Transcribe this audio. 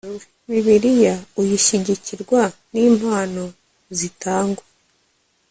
bibiliya ushyigikirwa n impano zitangwa